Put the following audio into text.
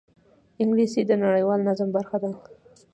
انګلیسي د نړیوال نظم برخه ده